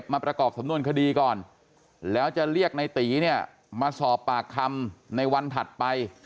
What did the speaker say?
มาประกอบสำนวนคดีก่อนแล้วจะเรียกในตีเนี่ยมาสอบปากคำในวันถัดไป